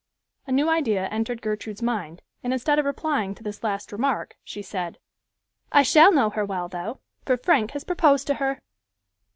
A new idea entered Gertrude's mind, and instead of replying to this last remark, she said, "I shall know her well, though, for Frank has proposed to her."